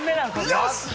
よし！